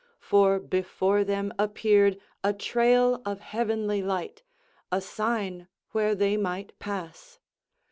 For before them appeared a trail of heavenly light, a sign where they might pass.